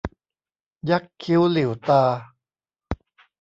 ยักคิ้วหลิ่วตา